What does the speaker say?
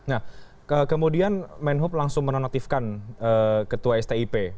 nah kemudian menhub langsung menonaktifkan ketua stip